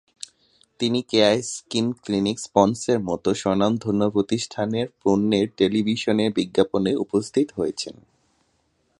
তিনি Keya skin clinic, পন্ড'স-এর মতো স্বনামধন্য প্রতিষ্ঠানের পণ্যের টেলিভিশন বিজ্ঞাপনে উপস্থিত হয়েছেন।